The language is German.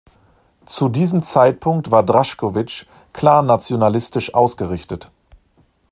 Zu diesem Zeitpunkt war Drašković klar nationalistisch ausgerichtet.